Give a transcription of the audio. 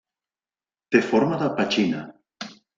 Té forma de petxina.